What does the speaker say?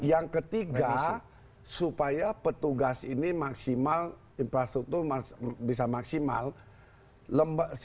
yang ketiga supaya petugas ini maksimal infrastruktur bisa maksimal